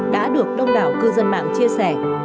đã được đông đảo cư dân mạng chia sẻ